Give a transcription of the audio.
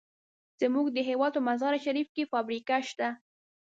زمونږ د هېواد په مزار شریف کې فابریکه شته.